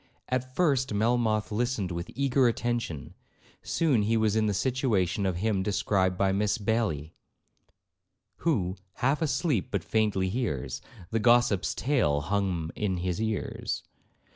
At first Melmoth listened with eager attention; soon he was in the situation of him described by Miss Baillie, 'Who, half asleep, but faintly hears, The gossip's tale hum in his ears.'